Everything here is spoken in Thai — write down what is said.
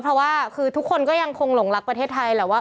เพราะว่าคือทุกคนก็ยังคงหลงรักประเทศไทยแหละว่า